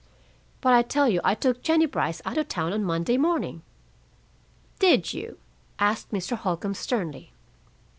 "But I tell you I took Jennie Brice out of town on Monday morning." "Did you?" asked Mr. Holcombe sternly.